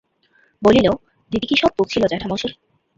বলিল, দিদি কি সব বকছিল জেঠামশায়।